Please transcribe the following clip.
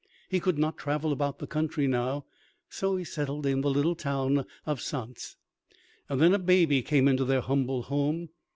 He could not travel about the country now, so he settled in the little town of Saintes. Then a baby came into their humble home.